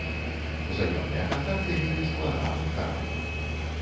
Узаемныя кантакты мелі складаны характар.